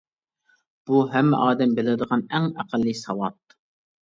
بۇ، ھەممە ئادەم بىلىدىغان ئەڭ ئەقەللىي ساۋات.